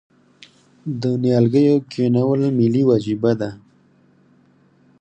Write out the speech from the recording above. د نیالګیو کینول ملي وجیبه ده؟